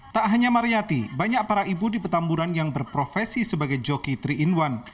tak hanya mariyati banyak para ibu di petamburan yang berprofesi sebagai joki tiga in satu